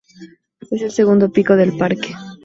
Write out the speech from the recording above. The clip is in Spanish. Es el segundo pico del parque.